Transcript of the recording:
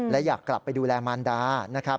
และอยากกลับไปดูแลมารดานะครับ